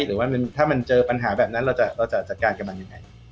หรือว่าถ้ามันเจอปัญหาแบบนั้นเราจะจัดการกับมันยังไง